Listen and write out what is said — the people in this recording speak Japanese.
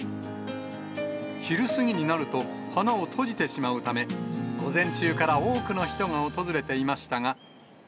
昼過ぎになると、花を閉じてしまうため、午前中から多くの人が訪れていましたが。